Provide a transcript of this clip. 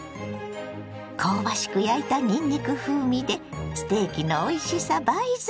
香ばしく焼いたにんにく風味でステーキのおいしさ倍増！